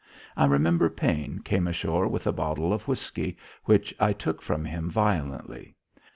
I remember Paine came ashore with a bottle of whisky which I took from him violently.